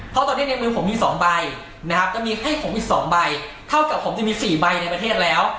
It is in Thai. เพราะตอนนี้ในมือผมมี๒ใบนะครับจะมีให้ผมอีก๒ใบเท่ากับผมจะมี๔ใบในประเทศแล้ว